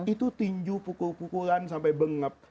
itu tinju pukul pukulan sampai bengep